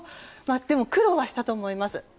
でも苦労はしたと思います。